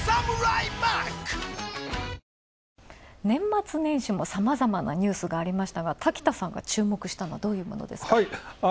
年末年始もさまざまなニュースがありましたが、滝田さんが注目したのはどういうものですか。